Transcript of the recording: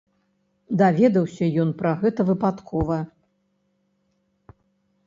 Даведаўся ён пра гэта выпадкова.